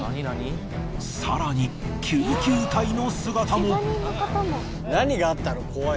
更に救急隊の姿も。